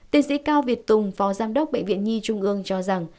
tiến sĩ cao việt tùng phó giám đốc bệnh viện nhi trung ương cho rằng